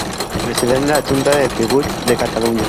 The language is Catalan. President de la Junta de Tributs de Catalunya.